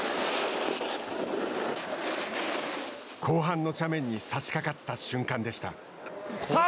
後半の斜面にさしかかった瞬間でした。